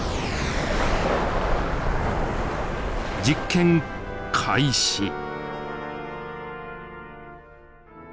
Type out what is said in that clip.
実験開始。